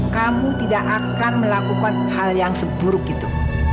kamu tidak akan melakukan hal yang seburuk itu